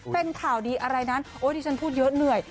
เป็นข่าวดีอะไรนั้นโอ้ที่ฉันพูดเยอะเหนื่อย